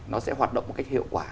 nó sẽ hoạt động một cách hiệu quả